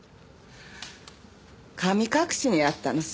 神隠しにあったのさ。